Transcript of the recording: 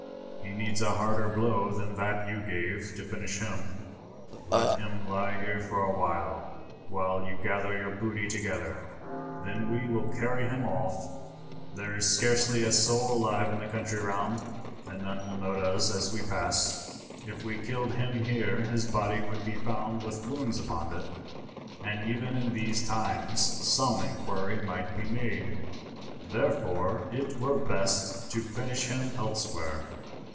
"He needs a harder blow than that you gave him to finish him. Let him lie here for a while, while you gather your booty together; then we will carry him off. There is scarcely a soul alive in the country round, and none will note us as we pass. "If we killed him here his body would be found with wounds upon it, and even in these times some inquiry might be made; therefore it were best to finish him elsewhere.